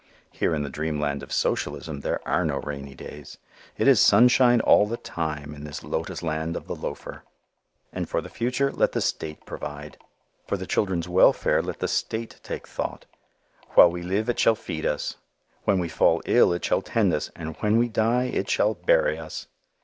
Here in the dreamland of socialism there are no rainy days. It is sunshine all the time in this lotus land of the loafer. And for the future, let the "State" provide; for the children's welfare let the "State" take thought; while we live it shall feed us, when we fall ill it shall tend us and when we die it shall bury us.